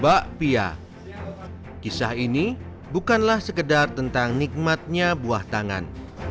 bakpia kisah ini bukanlah sekedar tentang nikmatnya buah tangan